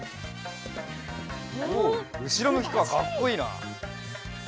おおうしろむきかかっこいいな。